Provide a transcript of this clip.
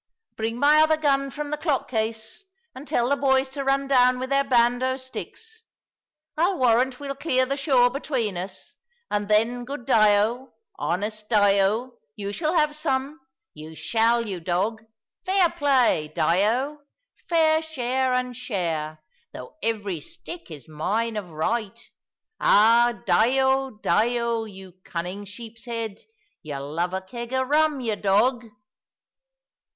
Bring my other gun from the clock case, and tell the boys to run down with their bando sticks. I'll warrant we'll clear the shore between us; and then, good Dyo, honest Dyo, you shall have some you shall, you dog. Fair play, Dyo; fair share and share, though every stick is mine of right. Ah, Dyo, Dyo, you cunning sheep's head, you love a keg of rum, you dog."